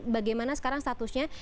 bagaimana sekarang statusnya